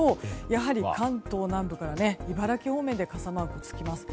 やはり関東南部から茨城方面で傘マークがつきます。